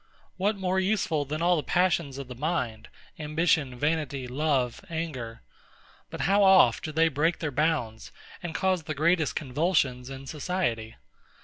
What more useful than all the passions of the mind, ambition, vanity, love, anger? But how oft do they break their bounds, and cause the greatest convulsions in society?